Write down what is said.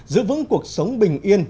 giữ vững cuộc sống bình yên